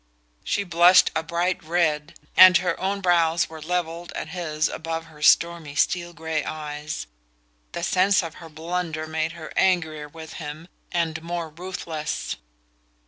She blushed a bright red, and her own brows were levelled at his above her stormy steel grey eyes. The sense of her blunder made her angrier with him, and more ruthless.